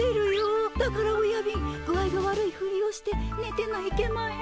だからおやびん具合が悪いふりをしてねてないけまへん。